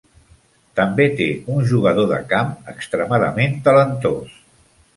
També té un jugador de camp extremadament talentós.